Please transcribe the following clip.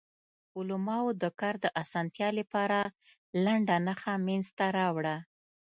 علماوو د کار د اسانتیا لپاره لنډه نښه منځ ته راوړه.